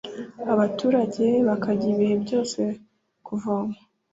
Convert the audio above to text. abaturage bakajya ibihe byo kuvoma